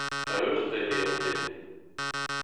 Aheurtet eo an den.